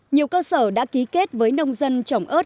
nhiều cơ sở đã ký kết với nông dân trồng ớt